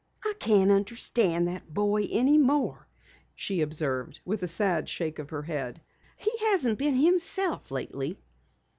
"I can't understand that boy any more," she observed with a sad shake of her head. "He hasn't been himself lately."